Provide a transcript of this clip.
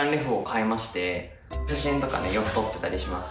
写真とかねよく撮ってたりします。